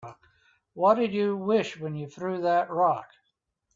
What'd you wish when you threw that rock?